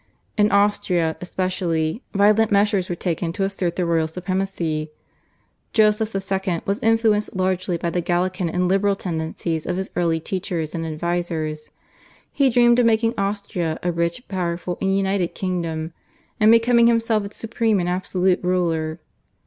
In Austria, especially, violent measures were taken to assert the royal supremacy. Joseph II. was influenced largely by the Gallican and liberal tendencies of his early teachers and advisers. He dreamed of making Austria a rich, powerful, and united kingdom, and becoming himself its supreme and absolute ruler.